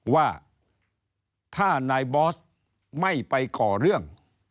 ว่าถ้านายบอสไม่ไปก่อเรื่อง